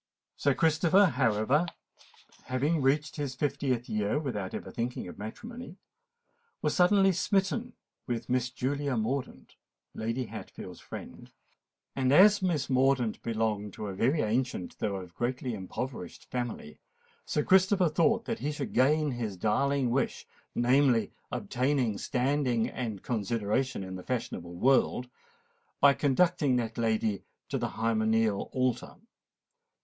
Sir Christopher, however, having reached his fiftieth year without ever thinking of matrimony, was suddenly smitten with Miss Julia Mordaunt, Lady Hatfield's friend; and as Miss Mordaunt belonged to a very ancient though a greatly impoverished family, Sir Christopher thought that he should gain his darling wish—namely, obtain standing and consideration in the fashionable world—by conducting that lady to the hymeneal altar.